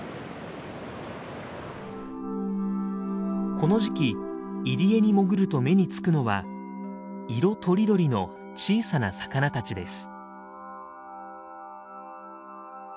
この時期入り江に潜ると目につくのは色とりどりの小さな魚たちです。